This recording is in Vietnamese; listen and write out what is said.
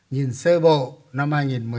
nhìn sơ bộ năm hai nghìn một mươi chín